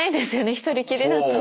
１人きりだと。